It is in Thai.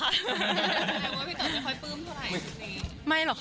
หน้าแต่ว่าพี่เต๋อจะค่อยเปิ้มเท่าไหร่